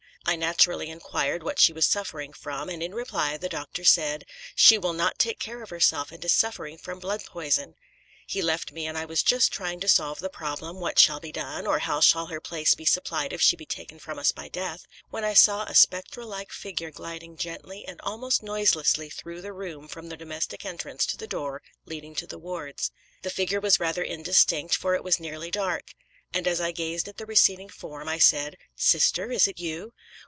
I naturally inquired what she was suffering from, and in reply the doctor said, 'She will not take care of herself, and is suffering from blood poison.' He left me, and I was just trying to solve the problem 'What shall be done? or how shall her place be supplied if she be taken from us by death?' when I saw a spectral like figure gliding gently and almost noiselessly through the room from the domestic entrance to the door leading to the wards. The figure was rather indistinct, for it was nearly dark; and as I gazed at the receding form, I said, 'Sister, is it you?'